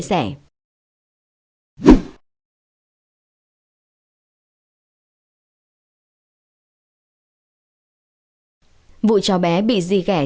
vụ cháu bé bị di ghẻ chút đòn roi đến tử vong chưa xử lý thì đến vụ cháu bé bị ghim đinh vào đầu